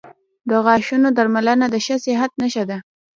• د غاښونو درملنه د ښه صحت نښه ده.